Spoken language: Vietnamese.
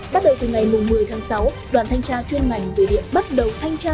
bắt đầu từ ngày một mươi tháng sáu đoàn thanh tra chuyên ngành về điện bắt đầu thanh tra